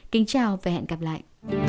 kính chào và hẹn gặp lại